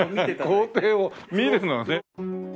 工程を見るのね。